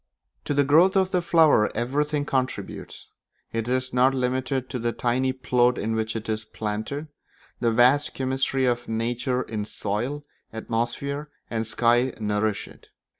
To the growth of the flower everything contributes; it is not limited to the tiny plot in which it is planted: the vast chemistry of nature in soil, atmosphere, and sky nourish it.